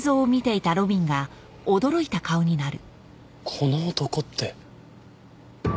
この男って。